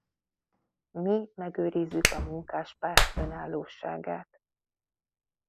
Mi megőrizzük a Munkáspárt önállóságát.